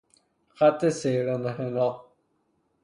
خط سیر انحناء